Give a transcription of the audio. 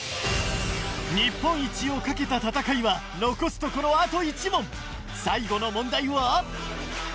日本一を懸けた戦いは残すところあと１問最後の問題は？